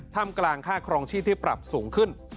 ทำกลางค่าครองชีพที่ปรับสูงขึ้น